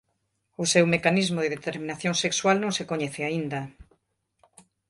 O seu mecanismo de determinación sexual non se coñece aínda.